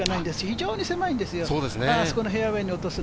非常に狭いんですよ。